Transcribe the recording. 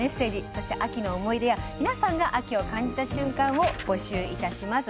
そして、秋の思い出や皆さんが秋を感じた瞬間を募集いたします。